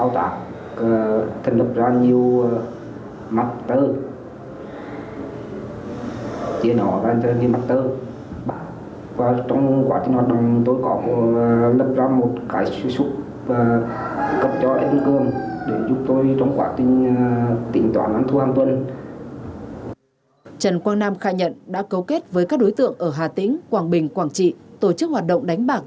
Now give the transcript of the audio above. trần quang nam khai nhận đã cấu kết với các đối tượng ở hà tĩnh quảng bình quảng trị tổ chức hoạt động đánh bạc